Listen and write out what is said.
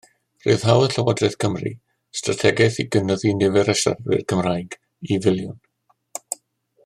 Rhyddhaodd Llywodraeth Cymru strategaeth i gynyddu nifer y siaradwyr Cymraeg i filiwn.